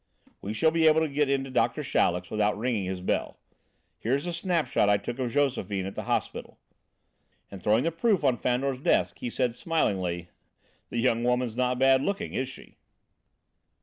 We shall be able to get into Doctor Chaleck's without ringing his bell. Here's a snapshot I took of Josephine at the hospital." And throwing the proof on Fandor's desk, he said smilingly: "The young woman's not bad looking, is she?"